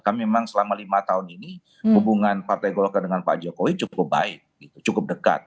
kami memang selama lima tahun ini hubungan partai golkar dengan pak jokowi cukup baik cukup dekat